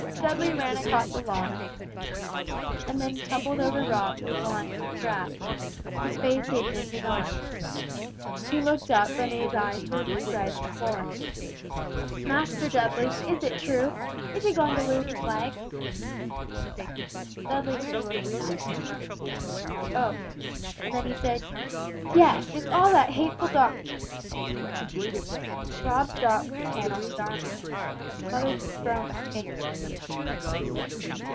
Dudley ran across the lawn in his misery, and then nearly tumbled over Rob who was lying on the grass, his face hidden in his arms. He looked up and his eyes were red and swollen. "Master Dudley, is it true, is he going to lose his legs?" Dudley stood looking at him for a minute before he spoke, and then he said, "Yes, it's all that hateful doctor!" Rob dropped his head on his arms again and a smothered groan escaped him.